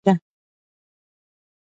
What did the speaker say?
د ورس ولسوالۍ غرنۍ ده